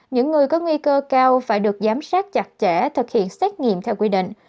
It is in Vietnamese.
những người có nguy cơ cao phải được giám sát chặt chẽ thực hiện xét nghiệm theo quy định